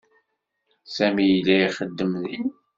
Sami yella ixeddem din.